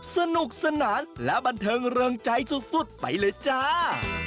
สนุกสนานและบันเทิงเริงใจสุดไปเลยจ้า